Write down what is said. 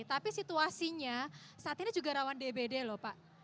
tapi situasinya saat ini juga rawan dbd lho pak